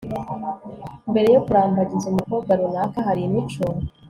Mbere yo kurambagiza umukobwa runaka hari imico